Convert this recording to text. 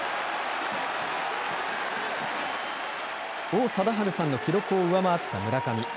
王貞治さんの記録を上回った村上。